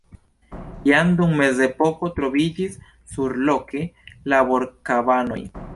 Jam dum Mezepoko troviĝis surloke laborkabanoj.